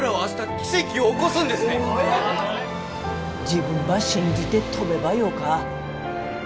自分ば信じて飛べばよか。